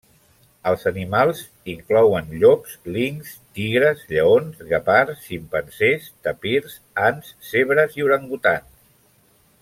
Els animals inclouen llops, linxs, tigres, lleons, guepards, ximpanzés, tapirs, ants, zebres, i orangutans.